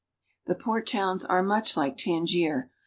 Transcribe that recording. The port towns are much like Tangier.